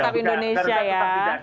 garuda tetap didaga